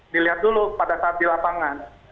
dilihat dulu pada saat di lapangan